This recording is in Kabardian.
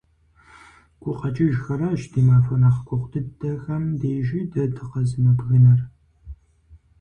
ГукъэкӀыжхэращ ди махуэ нэхъ гугъу дыдэхэм дежи дэ дыкъэзымыбгынэр.